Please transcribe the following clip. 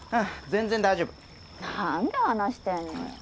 全然大丈夫何で話してんのよ